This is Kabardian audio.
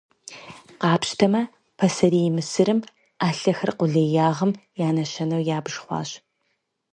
Къапщтэмэ, Пасэрей Мысырым ӏэлъэхэр къулеягъэм и нэщэнэу ябж хъуащ.